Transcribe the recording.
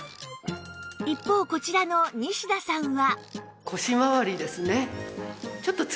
一方こちらの西田さんは